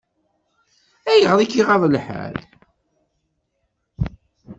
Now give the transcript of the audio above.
Ayɣer i k-iɣaḍ lḥal?